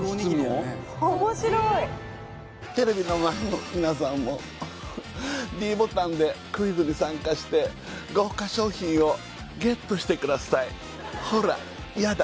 テレビの前の皆さんもｄボタンでクイズに参加して豪華賞品をＧＥＴしてくださいほらやだ